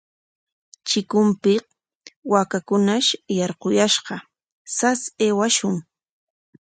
Chikunpik waakakunash yarquyashqa, sas aywashun.